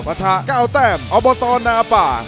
ประทะ๙แต้มอบตนาป่า